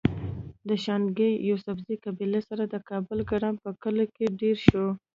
د شانګلې د يوسفزۍقبيلې سره د کابل ګرام پۀ کلي کې ديره شو